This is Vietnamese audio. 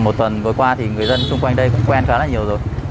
một tuần vừa qua thì người dân xung quanh đây cũng quen khá là nhiều rồi